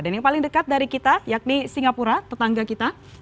dan yang paling dekat dari kita yakni singapura tetangga kita